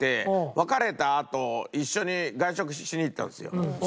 別れたあと一緒に外食しに行ったんですよ。